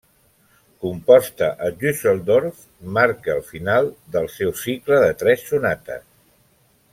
Composta a Düsseldorf, marca el final del seu cicle de tres sonates.